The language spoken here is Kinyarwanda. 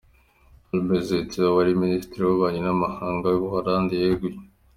Halbe Zijlstra, wari Ministri w’Ububanyi n’Amahanga w’Ubuholandi yeguye.